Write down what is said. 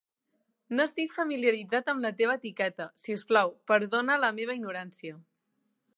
No estic familiaritzat amb la teva etiqueta, si us plau, perdona la meva ignorància.